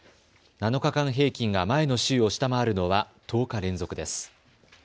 ７日間平均が前の週を下回るのは１０日連続です。